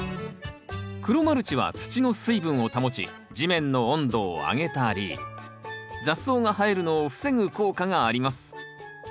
黒マルチは土の水分を保ち地面の温度を上げたり雑草が生えるのを防ぐ効果があります。